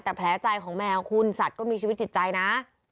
แต่แผลใจของแมวคุณสัตว์ก็มีชีวิตจิตใจนะ